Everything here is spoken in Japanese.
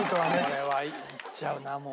これはいっちゃうなもう。